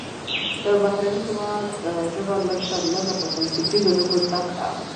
د بهرني هیواد ژبه لږ تر لږه په بنسټیزو ټکو زده کړه.